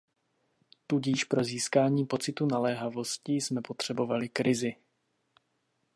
Tudíž pro získání pocitu naléhavosti jsme potřebovali krizi.